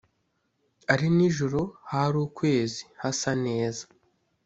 ari nijoro hari ukwezi hasa neza